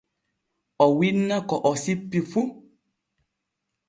O winna ko o sippi fu.